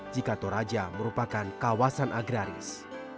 di gatot raja merupakan kawasan agraris